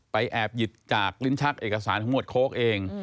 แอบหยิบจากลิ้นชักเอกสารของหมวดโค้กเอง